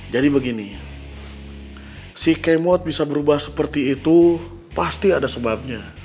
jadi begini si kemot bisa berubah seperti itu pasti ada sebabnya